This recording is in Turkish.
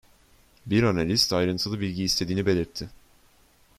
Bir analist, ayrıntılı bilgi istediğini belirtti.